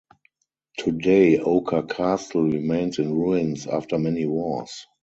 Today Oka Castle remains in ruins after many wars.